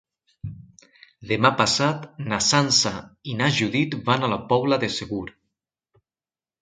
Demà passat na Sança i na Judit van a la Pobla de Segur.